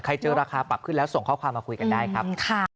เจอราคาปรับขึ้นแล้วส่งข้อความมาคุยกันได้ครับ